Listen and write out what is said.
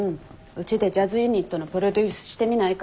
うちでジャズユニットのプロデュースしてみないか？